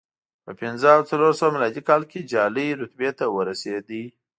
په پنځه او څلور سوه میلادي کال کې جالۍ رتبې ته ورسېد